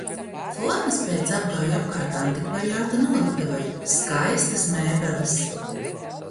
Formas pēc apgāju apkārt antikvariāta noliktavai. Skaistas mēbeles!